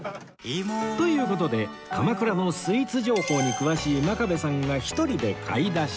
という事で鎌倉のスイーツ情報に詳しい真壁さんが１人で買い出し